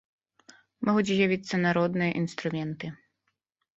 Могуць з'явіцца народныя інструменты.